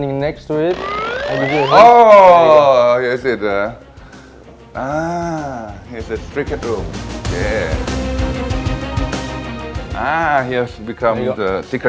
ตรงนั้นมีห้องหัวหลักเราต้องเจอกัน